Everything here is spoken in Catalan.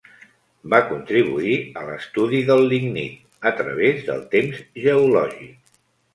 Va contribuir a l'estudi del lignit a través del temps geològic.